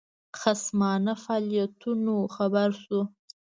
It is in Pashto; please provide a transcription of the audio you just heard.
خصمانه فعالیتونو خبر شو.